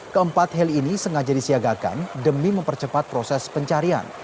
keempat heli ini sengaja disiagakan demi mempercepat proses pencarian